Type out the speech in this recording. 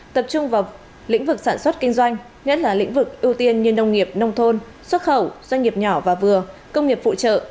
tập trung vào lĩnh vực sản xuất kinh doanh nhất là lĩnh vực ưu tiên như nông nghiệp nông thôn xuất khẩu doanh nghiệp nhỏ và vừa công nghiệp phụ trợ